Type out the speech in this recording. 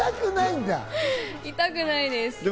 いくないです。